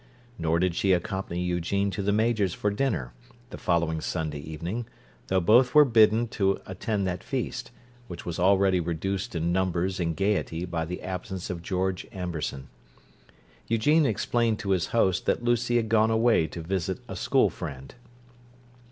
Nor did she accompany Eugene to the Major's for dinner, the following Sunday evening, though both were bidden to attend that feast, which was already reduced in numbers and gayety by the absence of George Amberson. Eugene explained to his host that Lucy had gone away to visit a school friend.